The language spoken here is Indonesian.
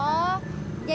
oh ini dia